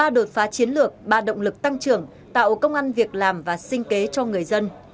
ba đột phá chiến lược ba động lực tăng trưởng tạo công an việc làm và sinh kế cho người dân